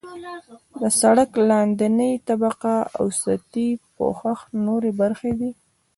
د سرک لاندنۍ طبقه او سطحي پوښښ نورې برخې دي